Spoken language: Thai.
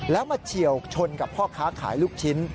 แล้วมาเฉียวชนกับพ่อค้าขายลูกชิ้น